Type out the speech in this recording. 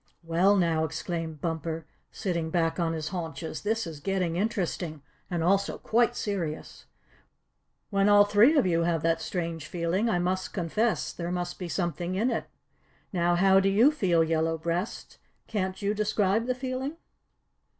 "Well, now," exclaimed Bumper, sitting back on his haunches, "this is getting interesting, and also quite serious. When all three of you have that strange feeling, I must confess there must be something in it. Now how do you feel, Yellow Breast? Can't you describe the feeling?"